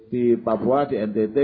di papua di ntt